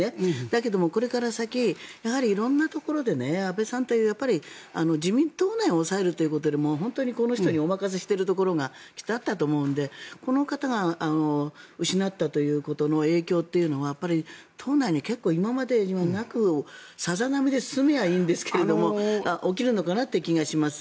だけども、これから先色んなところで安倍さんという自民党内を押さえるということでこの人にお任せしているところがきっとあったと思うのでこの方を失ったということの影響というのは党内に結構今までにもなくさざなみで進めばいいんですが起きるのかなという気がします。